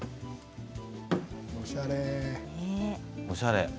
おしゃれ。